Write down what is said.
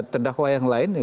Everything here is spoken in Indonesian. terdakwa yang lain